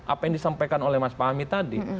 apa yang disampaikan oleh mas fahmi tadi